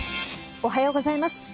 おはようございます。